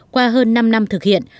qua hơn năm năm thực hiện